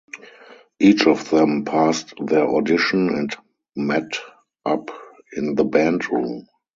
Each of them passed their audition and met up in the band room.